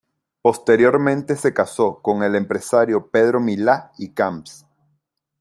Posteriormente se casó con el empresario Pedro Milá y Camps.